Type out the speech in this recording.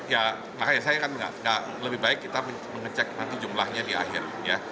ya makanya saya kan nggak lebih baik kita mengecek nanti jumlahnya di akhir